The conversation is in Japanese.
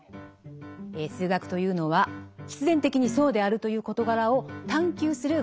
数学というのは「必然的にそうであるという事柄を探究する」